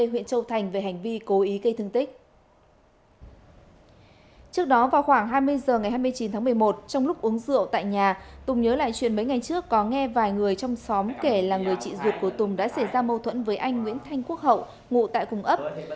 trước đó vào khoảng hai mươi h ngày hai mươi chín tháng một mươi một trong lúc uống rượu tại nhà tùng nhớ lại chuyện mấy ngày trước có nghe vài người trong xóm kể là người chị ruột của tùng đã xảy ra mâu thuẫn với anh nguyễn thanh quốc hậu ngụ tại cùng ấp